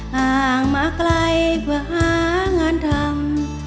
ห่างมาไกลเพื่อหางานทำ